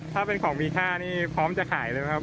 ถ้าเป็นของมีค่านี่พร้อมจะขายเลยครับ